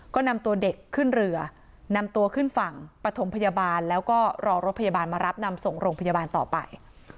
ก็นำตัวเด็กขึ้นเรือนำตัวขึ้นฝั่งปฐมพยาบาลแล้วก็รอรถพยาบาลมารับนำส่งโรงพยาบาลต่อไป